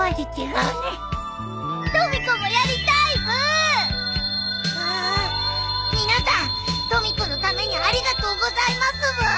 わあ皆さんとみ子のためにありがとうございますブー。